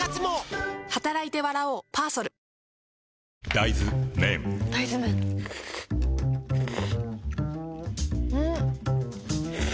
大豆麺ん？